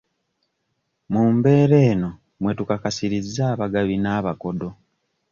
Mu mbeera eno mwe tukakasirizza abagabi n'abakodo.